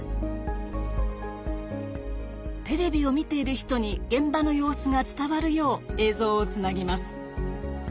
テレビを見ている人に現場の様子が伝わるよう映像をつなぎます。